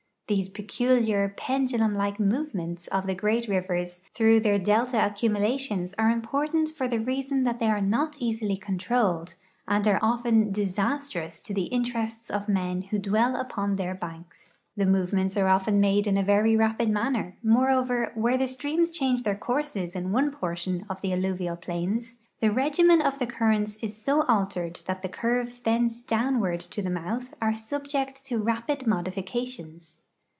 These peculiar, iiendulum like movements of the great rivers through their delta accumulations are important for the rea.son that they are not easily controlled and are often disastrous to the interests of men who dwell upon their banks. The move ments are often made in a very raj)id manner; moreover, where the streams change their courses in one portion of the alluvial ]»lains the regimen of the currents is so altered that the curves thence downward to the mouth are subject to ra])id modifications.